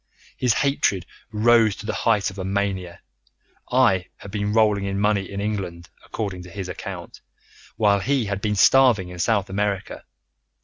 His hatred rose to the height of a mania. I had been rolling in money in England, according to his account, while he had been starving in South America.